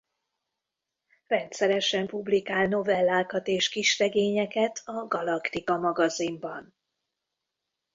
Rendszeresen publikál novellákat és kisregényeket a Galaktika magazinban.